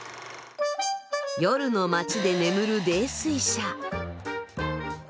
夜の街で眠る泥酔者。